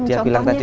dia bilang tadi